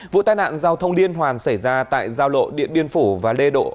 vụ tai nạn giao thông liên hoàn xảy ra tại giao lộ điện biên phủ và lê độ